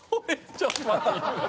ちょっと待って。